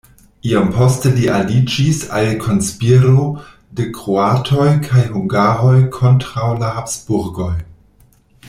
Iom poste li aliĝis al konspiro de kroatoj kaj hungaroj kontraŭ la Habsburgoj.